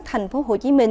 thành phố hồ chí minh